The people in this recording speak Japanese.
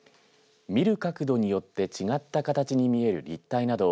見る角度によって違った形に見える立体など